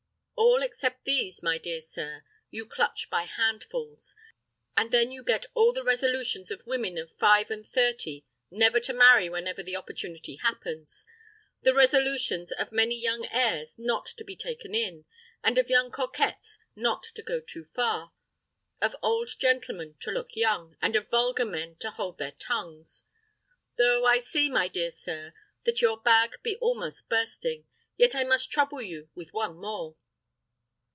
All, except these, my dear sir, you clutch by handfuls; and then you get all the resolutions of women of five and thirty never to marry whenever the opportunity happens; the resolutions of many young heirs not to be taken in, and of young coquettes not to go too far; of old gentlemen to look young, and of vulgar men to hold their tongues. Though I see, my dear sir, that your bag be almost bursting, yet I must trouble you with one more.